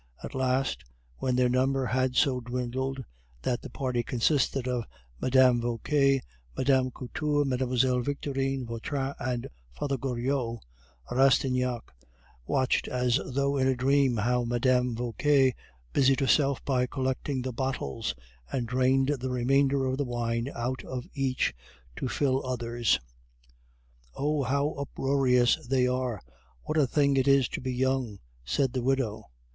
At last, when their numbers had so dwindled that the party consisted of Mme. Vauquer, Mme. Couture, Mlle. Victorine, Vautrin, and Father Goriot, Rastignac watched as though in a dream how Mme. Vauquer busied herself by collecting the bottles, and drained the remainder of the wine out of each to fill others. "Oh! how uproarious they are! what a thing it is to be young!" said the widow.